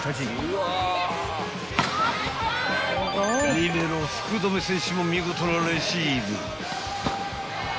［リベロ福留選手も見事なレシーブ］